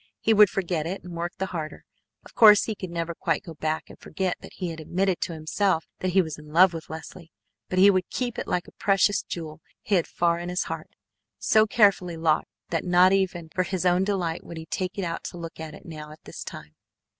He would forget it and work the harder. Of course he could never quite go back and forget that he had admitted to himself that he was in love with Leslie, but he would keep it like a precious jewel hid far in his heart, so carefully locked that not even for his own delight would he take it out to look at now at this time.